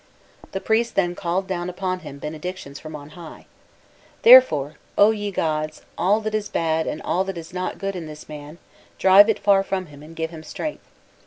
* The priest then called down upon him benedictions from on high: "Therefore, O ye (gods), all that is bad and that is not good in this man, drive it far from him and give him strength.